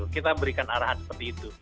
kita berikan arahan seperti itu